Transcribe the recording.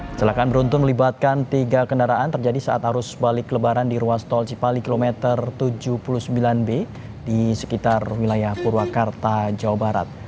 kecelakaan beruntung melibatkan tiga kendaraan terjadi saat arus balik lebaran di ruas tol cipali kilometer tujuh puluh sembilan b di sekitar wilayah purwakarta jawa barat